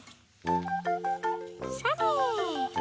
それ。